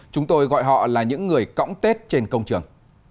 chúng tôi gọi họ là những người cõng tết trên công trường